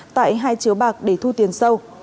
tại hai chiếu bạc để thu tiền sâu